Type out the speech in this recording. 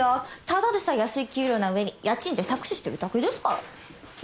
ただでさえ安い給料な上に家賃で搾取してるだけですから。